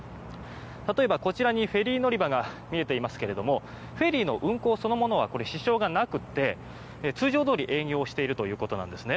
例えば、こちらにフェリー乗り場が見えていますがフェリーの運航そのものは支障がなくて通常どおり営業しているということです。